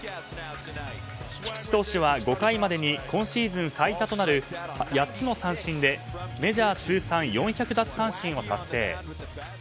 菊池投手は５回までに今シーズン最多となる８つの三振でメジャー通算４００奪三振を達成。